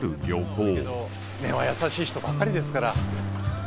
根は優しい人ばっかりですから。